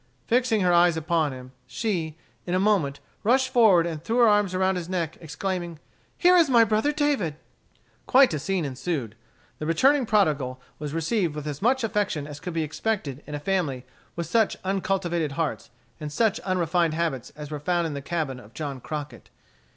Fixing her eyes upon him, she, in a moment, rushed forward and threw her arms around his neck, exclaiming, "Here is my brother David." Quite a scene ensued. The returning prodigal was received with as much affection as could be expected in a family with such uncultivated hearts and such unrefined habits as were found in the cabin of John Crockett.